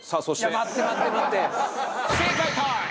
いや待って待って待って！